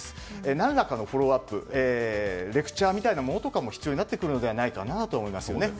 何らかのフォローアップレクチャーみたいなものも必要になってくると思いますよね。